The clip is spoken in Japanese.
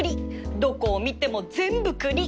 どこを見ても全部栗